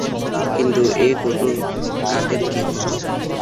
কিন্তু এই কাঠের কী হবে?